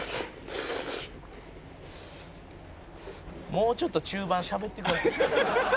「もうちょっと中盤しゃべってください」